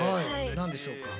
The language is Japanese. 何でしょうか？